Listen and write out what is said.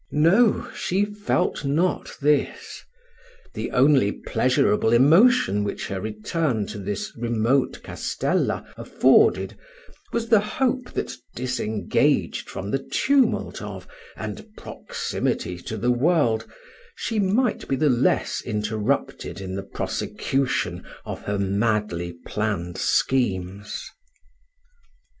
No she felt not this: the only pleasurable emotion which her return to this remote castella afforded, was the hope that, disengaged from the tumult of, and proximity to the world, she might be the less interrupted in the prosecution of her madly planned schemes.